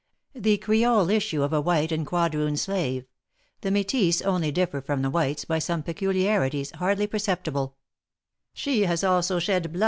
The Creole issue of a white and quadroon slave. The métisses only differ from the whites by some peculiarities hardly perceptible.